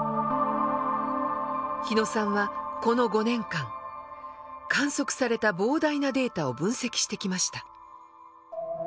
日野さんはこの５年間観測された膨大なデータを分析してきました。